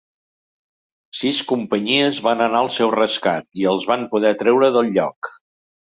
Sis companyies van anar al seu rescat i els van poder treure del lloc.